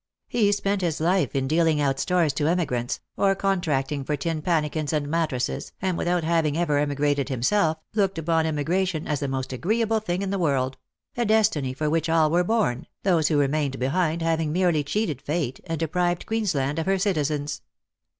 He spent his life in dealing out stores to emi grants, or contracting for tin pannikins and mattresses, and without having ever emigrated himself, looked upon emigration as the most agreeable thing in the world ; a destiny for which all were born, those who remained behind having merely cheated fate, and deprived Queensland of her citizens.